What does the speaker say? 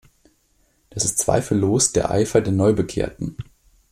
Das ist zweifellos der Eifer der Neubekehrten.